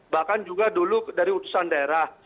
bahkan juga dulu dari utusan daerah